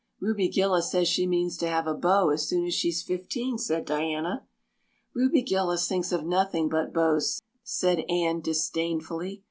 "Ruby Gillis says she means to have a beau as soon as she's fifteen," said Diana. "Ruby Gillis thinks of nothing but beaus," said Anne disdainfully.